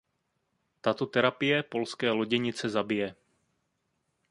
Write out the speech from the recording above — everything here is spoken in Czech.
Tato terapie polské loděnice zabije.